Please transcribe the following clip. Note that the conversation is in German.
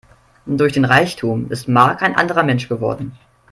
Durch den Reichtum ist Mark ein anderer Mensch geworden.